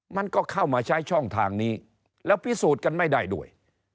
มันก็เข้ามาใช้ช่องทางนี้แล้วพิสูจน์กันไม่ได้ด้วย